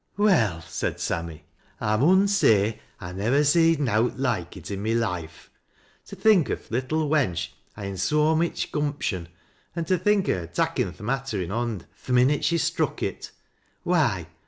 "Well," said Sammy, "I man say I nivver seed nowt loike it i' my loife. To think o' th' little wench ha'iu' so mich gumption, an' to think o' her takkin th' matter i' hon J th' minnit she struck it ! Why